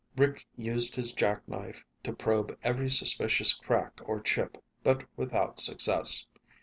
Rick used his jackknife to probe every suspicious crack or chip, but without success.